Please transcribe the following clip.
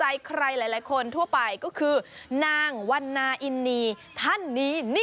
มันให้ความหอม